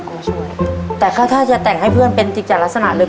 มาช่วยแต่ถ้าถ้าจะแต่งให้เพื่อนเป็นจริงจัดลักษณะเลย